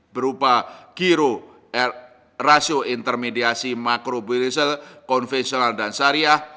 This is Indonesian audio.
berupa giro rasio intermediasi makrobilisa konvensional dan syariah